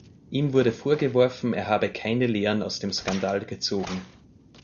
Ihm wurde vorgeworfen, er habe keine Lehren aus dem Skandal gezogen.